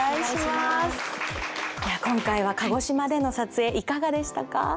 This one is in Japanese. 今回は鹿児島での撮影いかがでしたか？